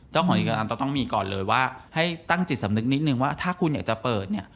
เจ้าของเอกสารต้องมีก่อนเลยว่าให้ตั้งจิตสำนึกนิดนึงว่าถ้าคุณอยากจะเปิดเนี่ย